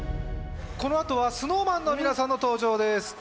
このあとはＳｎｏｗＭａｎの皆さんの登場です